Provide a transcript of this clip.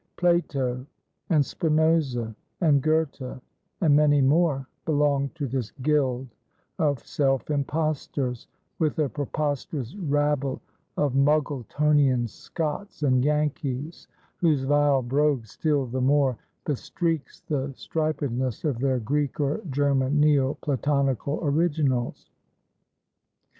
Plato, and Spinoza, and Goethe, and many more belong to this guild of self impostors, with a preposterous rabble of Muggletonian Scots and Yankees, whose vile brogue still the more bestreaks the stripedness of their Greek or German Neoplatonical originals.